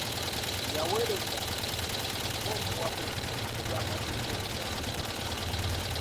Yaweereza ng'omuwabuzi ku by'amateeka eri gavumenti.